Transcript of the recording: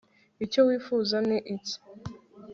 icyo wifuza ni iki